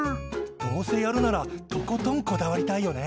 どうせやるならとことんこだわりたいよね！